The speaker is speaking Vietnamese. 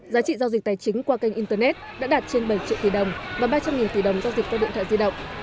giá trị giao dịch tài chính qua kênh internet đã đạt trên bảy triệu tỷ đồng và ba trăm linh tỷ đồng giao dịch qua điện thoại di động